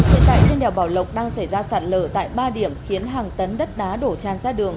hiện tại trên đèo bảo lộc đang xảy ra sạt lở tại ba điểm khiến hàng tấn đất đá đổ chan ra đường